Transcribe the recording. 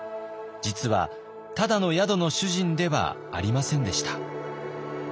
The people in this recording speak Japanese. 実はただの宿の主人ではありませんでした。